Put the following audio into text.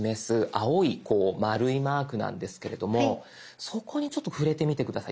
青いこう丸いマークなんですけれどもそこにちょっと触れてみて下さい。